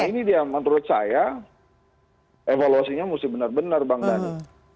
nah ini dia menurut saya evaluasinya mesti benar benar bang dhani